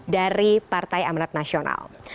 dari partai amrat nasional